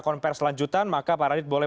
konferensi selanjutnya maka pak radit boleh